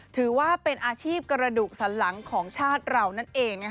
ถือว่าเป็นอาชีพกระดูกสันหลังของชาติเรานั่นเอง